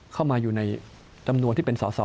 เข้ามาอยู่ในจำนวนที่เป็นสอสอ